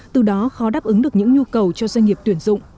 từ đó khó đáp ứng được những nhu cầu cho doanh nghiệp tuyển dụng